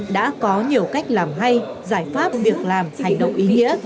đã có nhiều cách làm hay giải pháp việc làm hành động ý nghĩa